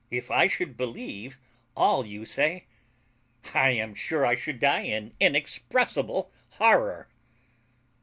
If I should believe all you say, I am sure I should die in inexpressible horrour.